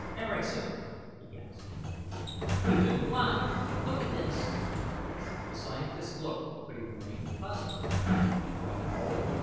"Erickson!" he gasped. "We've been blind. Look at this!" The scientist looked; but he remained puzzled. "Well